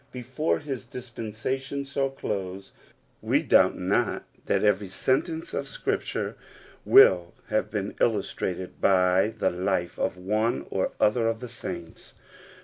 Before this dispensation shal^ close we doubt not that every sentence of Scripture will have been illustrated by the life of one or other of the saints.